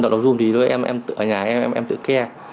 đọc zoom thì em tự ở nhà em tự care